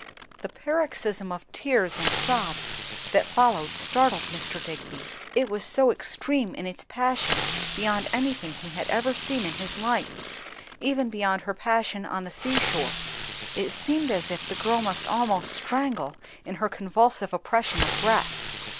The paroxysm of tears and sobs that followed, startled Mr. Digby; it was so extreme in its passion beyond anything he had ever seen in his life; even beyond her passion on the sea shore. It seemed as if the girl must almost strangle in her convulsive oppression of breath.